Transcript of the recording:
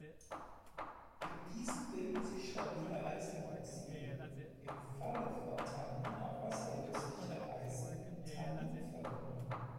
Mit diesen bilden sich stabile Eisenoxide, im Falle von Tannin auch wasserlösliche Eisen-Tannin-Verbindungen.